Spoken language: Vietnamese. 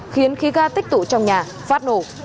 khiến khí ca tích tụ trong nhà phát nổ